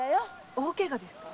大ケガですか？